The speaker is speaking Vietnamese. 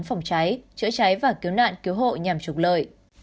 phòng cháy chữa cháy và cứu nạn cứu hộ nhằm trục lợi